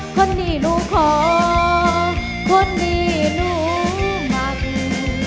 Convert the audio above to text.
คนที่หนูขอคนที่หนูมาดู